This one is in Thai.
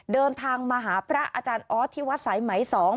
เดินทางมาหาพระอาจารย์ออสที่วัดสายไหม๒